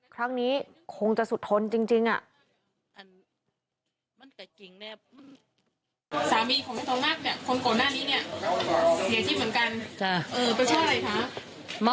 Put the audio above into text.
ครั้งนี้คงจะสุดทนจริงจริงอะ